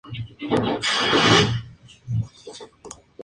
Es este Vancouver?